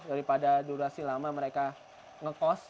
daripada durasi lama mereka ngekos